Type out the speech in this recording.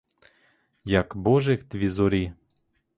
Як божих дві зорі.